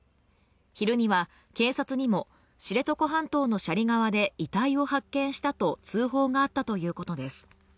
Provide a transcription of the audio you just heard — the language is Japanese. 昼には警察にも知床半島の斜里側で遺体を発見したと通報があったということです